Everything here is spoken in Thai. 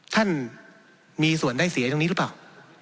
ท่านมีส่วนได้เสียตรงนี้หรือเปล่า